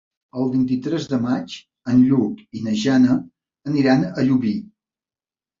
El vint-i-tres de maig en Lluc i na Jana aniran a Llubí.